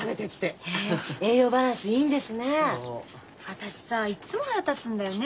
私さいっつも腹立つんだよね。